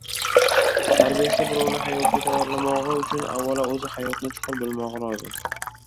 Tarbiyasi birovni hayotga tayyorlamog‘i uchun avvalo o‘zi hayotni chuqur bilmog‘i lozim.